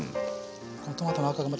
このトマトの赤がまた。